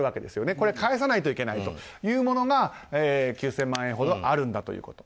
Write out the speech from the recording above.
これは返さないといけないというものが９０００万円ほどあるんだということ。